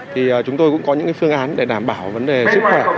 thì chúng tôi cũng có những phương án để đảm bảo vấn đề sức khỏe